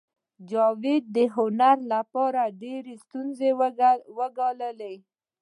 جاوید د هنر لپاره ډېرې ستونزې وګاللې